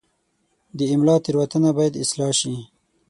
د املا تېروتنه باید اصلاح شي.